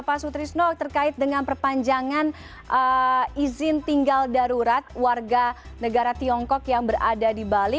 pak sutrisno terkait dengan perpanjangan izin tinggal darurat warga negara tiongkok yang berada di bali